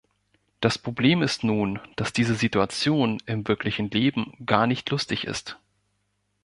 Das Problem ist nun, dass diese Situation im wirklichen Leben gar nicht lustig ist.